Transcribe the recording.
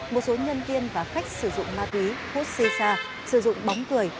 một số nhân viên và khách sử dụng ma túy hút xê xa sử dụng bóng cười